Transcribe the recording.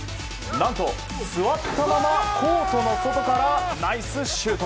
何と、座ったままコートの外からナイスシュート！